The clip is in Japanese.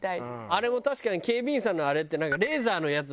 あれも確かに警備員さんのあれってなんかレーザーのやつ